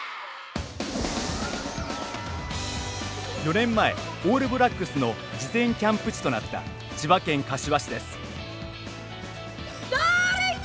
４年前、オールブラックスの事前キャンプ地となった千葉県柏市です。